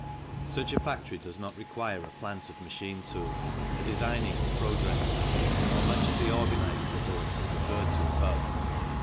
Such a factory does not require a plant of machine tools, a designing and progress staff, or much of the organizing ability referred to above.